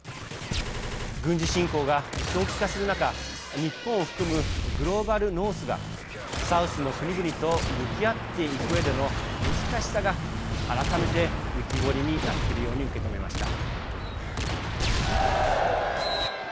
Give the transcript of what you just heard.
軍事侵攻が長期化する中日本を含むグローバル・ノースがサウスの国々と向き合っていくうえでの難しさが改めて浮き彫りになってるように受け止めました。